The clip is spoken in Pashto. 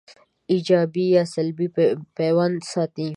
ایجابي یا سلبي پیوند ساتي